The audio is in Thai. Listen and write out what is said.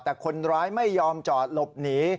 แต่คนร้ายไม่ยอมจอดหลบหนี